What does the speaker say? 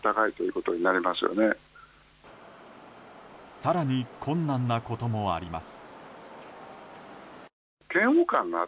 更に困難なこともあります。